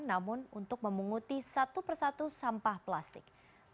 namun untuk memunguti satu persatu sampah plastik